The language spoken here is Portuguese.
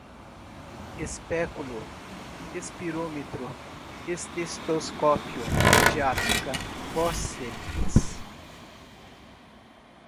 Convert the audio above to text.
espéculo, espirômetro, estetoscópio, pediátrica, fórceps